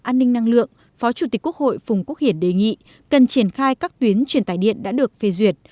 an ninh năng lượng phó chủ tịch quốc hội phùng quốc hiển đề nghị cần triển khai các tuyến truyền tải điện đã được phê duyệt